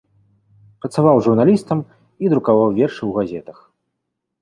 Працаваў журналістам і друкаваў вершы ў газетах.